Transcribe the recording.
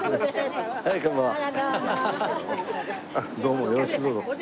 どうもよろしくどうぞ。